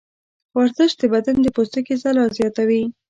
ورزش د بدن د پوستکي ځلا زیاتوي.